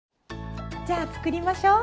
じゃあ作りましょう。